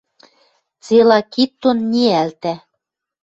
Цела кид дон ниӓлтӓ.